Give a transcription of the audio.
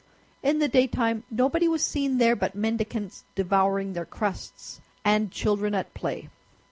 In the daytime nobody was seen there but mendicants devouring their crusts, and children at play.